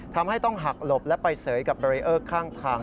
ทำให้ต้องหักหลบและไปเสยกับเบรีเออร์ข้างทาง